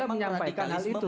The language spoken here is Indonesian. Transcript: saya menyampaikan hal itu